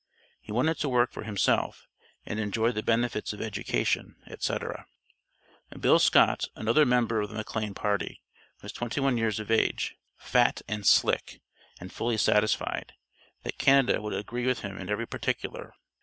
He wanted to work for himself and enjoy the benefits of education, etc. Bill Scott, another member of the McLane party, was twenty one years of age, "fat and slick," and fully satisfied, that Canada would agree with him in every particular.